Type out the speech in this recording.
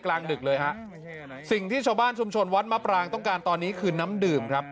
กลางดึกเลยฮะสิ่งที่ชาวบ้านชุมชนวัดมะปรางต้องการตอนนี้คือน้ำดื่มครับ